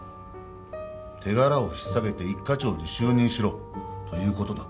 「手柄を引っ提げて一課長に就任しろ」ということだ。